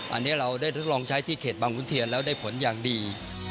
อันนี้เราได้ทดลองใช้ที่เขตบางขุนเทียนแล้วได้ผลอย่างดี